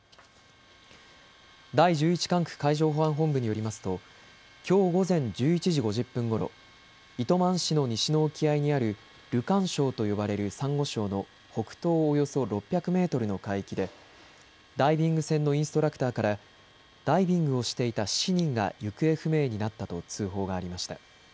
第１１管区海上保安本部によりますときょう午前１１時５０分ごろ糸満市の西の沖合にあるルカン礁と呼ばれるサンゴ礁の北東およそ６００メートルの海域でダイビング船のインストラクターからダイビングをしていた７人が行方不明になったと通報がありました。